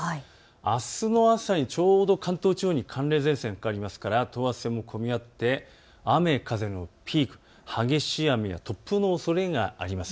あすの朝にちょうど関東地方に寒冷前線がかかりますから等圧線が込み合って雨風のピーク、激しい雨や突風のおそれがあります。